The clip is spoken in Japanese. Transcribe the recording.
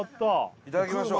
いただきましょう